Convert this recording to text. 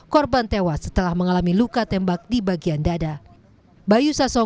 korban tewas setelah mengalami luka tembak di bagian dada